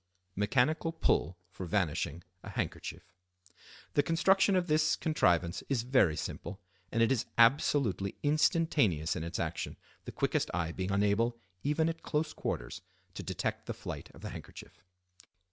Mechanical "Pull" for Vanishing a Handkerchief.—The construction of this contrivance is very simple, and it is absolutely instantaneous in its action, the quickest eye being unable, even at close quarters, to detect the flight of the handkerchief.